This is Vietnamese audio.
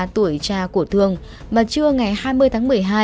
năm mươi ba tuổi cha của thương mà trưa ngày hai mươi tháng một mươi hai